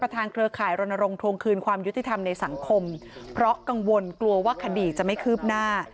เครือข่ายรณรงค์ทวงคืนความยุติธรรมในสังคมเพราะกังวลกลัวว่าคดีจะไม่คืบหน้า